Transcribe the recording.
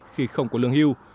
khi không có lương hưu